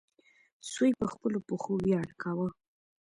سوی په خپلو پښو ویاړ کاوه.